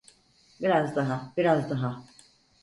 Biraz daha, biraz daha.